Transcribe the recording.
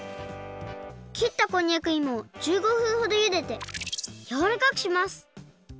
きったこんにゃくいもを１５分ほどゆででやわらかくします